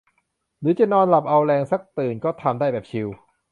หรือจะนอนหลับเอาแรงสักตื่นก็ทำได้แบบชิล